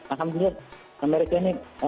alhamdulillah amerika ini